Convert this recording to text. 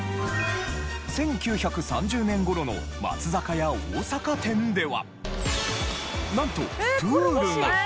１９３０年頃の松坂屋大阪店ではなんとプールが！